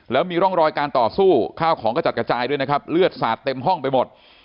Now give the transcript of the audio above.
แล้วมีร่องรอยการต่อสู้ข้าวของกระจัดกระจายด้วยนะครับเลือดสาดเต็มห้องไปหมด